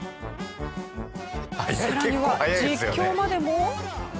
さらには実況までも。